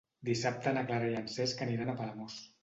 Dissabte na Clara i en Cesc aniran a Palamós.